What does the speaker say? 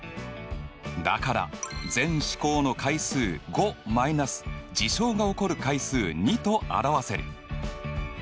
だから全試行の回数５マイナス事象が起こる回数２と表せる。